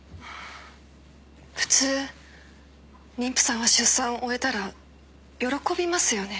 普通妊婦さんは出産を終えたら喜びますよね。